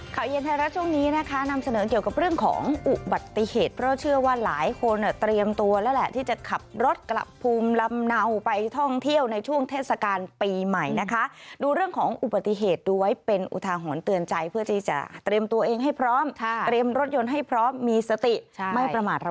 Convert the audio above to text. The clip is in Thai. ข่าวเย็นไทยรัฐช่วงนี้นะคะนำเสนอเกี่ยวกับเรื่องของอุบัติเหตุเพราะเชื่อว่าหลายคนเตรียมตัวแล้วแหละที่จะขับรถกลับภูมิลำเนาไปท่องเที่ยวในช่วงเทศกาลปีใหม่นะคะดูเรื่องของอุบัติเหตุดูไว้เป็นอุทาหรณ์เตือนใจเพื่อที่จะเตรียมตัวเองให้พร้อมเตรียมรถยนต์ให้พร้อมมีสติไม่ประมาท